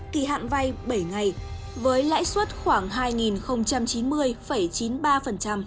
kỳ hạn vay bảy ngày với lãi suất khoảng hai chín mươi chín mươi ba trên một năm